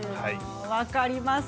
分かります。